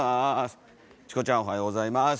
チコちゃんおはようございます。